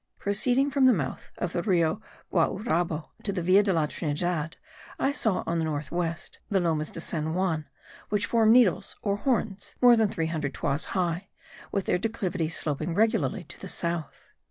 Proceeding from the mouth of the Rio Guaurabo to the Villa de la Trinidad, I saw on the north west, the Lomas de San Juan, which form needles or horns more than 300 toises high, with their declivities sloping regularly to the south.